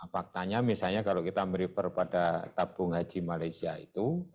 faktanya misalnya kalau kita merifer pada tabung haji malaysia itu